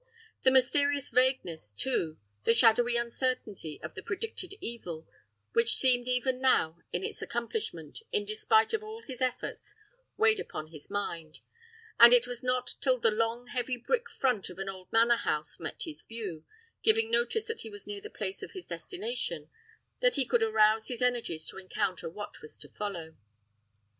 The mysterious vagueness, too, the shadowy uncertainty, of the predicted evil, which seemed even now in its accomplishment, in despite of all his efforts, weighed upon his mind; and it was not till the long, heavy brick front of an old manor house met his view, giving notice that he was near the place of his destination, that he could arouse his energies to encounter what was to follow.